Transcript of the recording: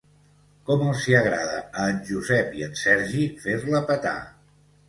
Com els hi agrada a en Josep i en Sergi fer-la petar.